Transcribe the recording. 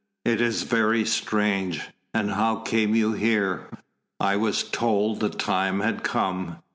"It is very strange. And how came you here?" "I was told the time had come.